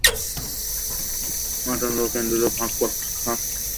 অতীন্দ্রিয় তত্ত্বসকল শুধু যে একজন লোকের মধ্য দিয়াই জগতে প্রসারিত হয়, এমন নহে।